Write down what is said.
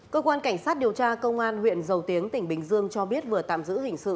cơ quan cảnh sát điều tra công an huyện dầu tiếng tỉnh bình dương cho biết vừa tạm giữ hình sự